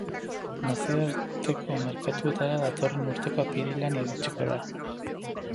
Nazioarteko merkatuetara datorren urteko apirilean iritsiko da.